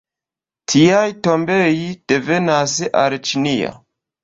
Tiaj tomboj devenas el Ĉinio.